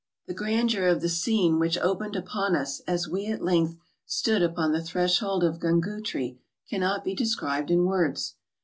The grandeur of the scene which opened upon us, as we at length stood upon the threshold of Grungootree, cannot be described in words.